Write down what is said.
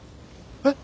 え？